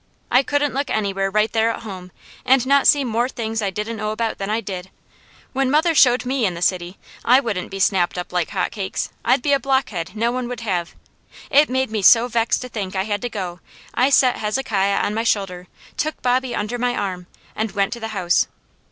I couldn't look anywhere, right there at home, and not see more things I didn't know about than I did. When mother showed me in the city, I wouldn't be snapped up like hot cakes; I'd be a blockhead no one would have. It made me so vexed to think I had to go, I set Hezekiah on my shoulder, took Bobby under my arm, and went to the house.